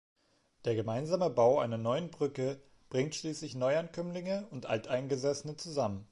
Der gemeinsame Bau einer neuen Brücke bringt schließlich Neuankömmlinge und Alteingesessene zusammen.